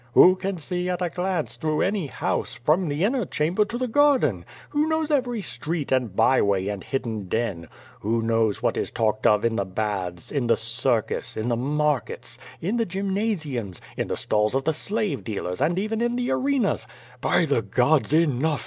Who can see at a glance through any house^ from the inner chamber to the garden? WTio knows every street and by way and hidden den? Wlio knows what is talked of in the bathsy in the circus, in the markets, in the gymnasiums, in the stalls of the slave dealers, and even in the arenas?" By the gods, enough!